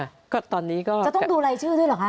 จะต้องดูลายชื่อด้วยหรือคะ